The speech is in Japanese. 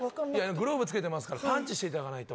グローブつけてますから、パンチしていただかないと。